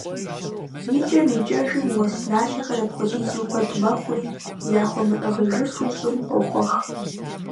ИкӀэм икӀэжым, уэс налъэхэр апхуэдизу куэд мэхъури, захуэмыӀыгъыжыфу, щӀым къохуэх.